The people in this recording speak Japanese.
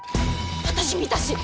私見たし。